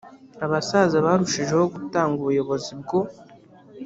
abasaza barushijeho gutanga ubuyobozi bwo